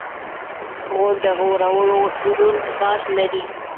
غول د غوړو دروند بار لري.